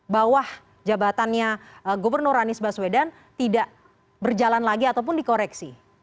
bawah jabatannya gubernur anies baswedan tidak berjalan lagi ataupun dikoreksi